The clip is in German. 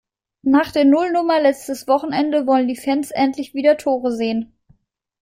Nach der Nullnummer letztes Wochenende wollen die Fans endlich wieder Tore sehen.